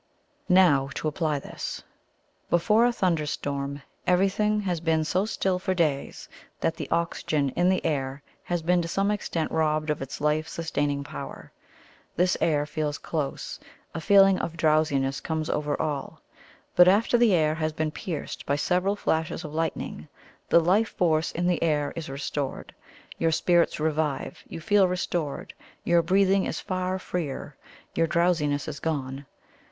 Now, to apply this: before a thunder storm, everything has been so still for days that the oxygen in the air has been to some extent robbed of its life sustaining power. The air feels "close," a feeling of drowsiness comes over all. But, after the air has been pierced by several flashes of lightning, the life force in the air is restored. Your spirits revive; you feel restored; your breathing is far freer; your drowsiness is gone.